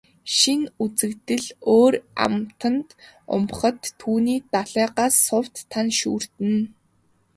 Шинэ үзэгдэл өөр амтанд умбахад түүний далайгаас сувд, тана шүүрдэнэ.